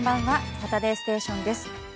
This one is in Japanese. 「サタデーステーション」です。